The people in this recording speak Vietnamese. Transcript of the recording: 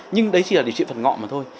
nhưng đấy chỉ là điều trị phần ngọn mà thôi